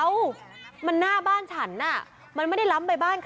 เลิกเลิกเลิกเลิกเลิกเลิก